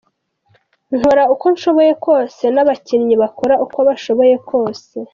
Nkora uko nshoboye kose n'abakinnyi bakora uko bashoboye kose.